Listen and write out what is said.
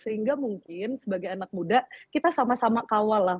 sehingga mungkin sebagai anak muda kita sama sama kawal lah